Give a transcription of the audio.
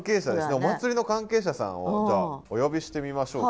お祭りの関係者さんをじゃあお呼びしてみましょうか。